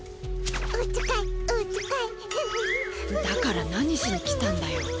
だから何しに来たんだよ。